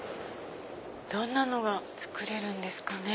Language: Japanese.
どんなのが作れるんですかね？